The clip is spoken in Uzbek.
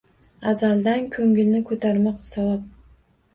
Azaldan ko’ngilni ko’tarmoq savob